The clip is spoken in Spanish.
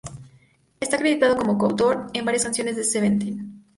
Está acreditado como co-autor en varias canciones de Seventeen.